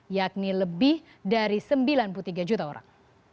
yakni lebih dari sembilan puluh tiga juta orang